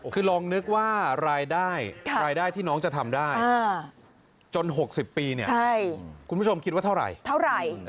คือลองนึกว่ารายได้ที่น้องจะทำได้จน๖๐ปีเนี่ยคุณผู้ชมคิดว่าเท่าไหร่